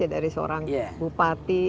dari seorang bupati